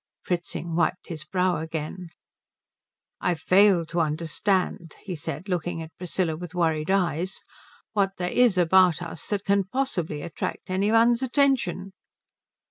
Fritzing wiped his brow again. "I fail to understand," he said, looking at Priscilla with worried eyes, "what there is about us that can possibly attract any one's attention."